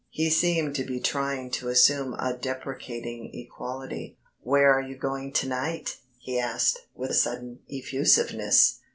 He seemed to be trying to assume a deprecating equality. "Where are you going to night?" he asked, with sudden effusiveness.